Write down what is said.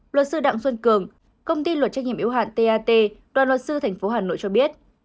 luật sư đặng xuân cường công ty luật trách nhiệm yếu hạn tat đoàn luật sư tp hà nội cho biết